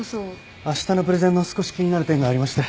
あしたのプレゼンの少し気になる点がありまして。